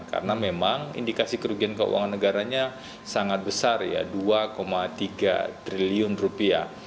karena memang indikasi kerugian keuangan negaranya sangat besar ya dua tiga triliun rupiah